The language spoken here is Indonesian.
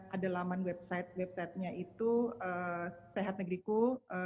ada laman website websitenya itu sehatnegriku kemkes co id kami selalu merilis berita terupdate